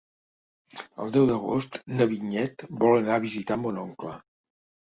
El deu d'agost na Vinyet vol anar a visitar mon oncle.